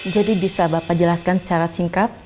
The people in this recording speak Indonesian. bisa bapak jelaskan secara singkat